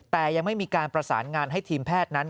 แต่ยังไม่มีการประสานงานให้ทีมแพทย์นั้น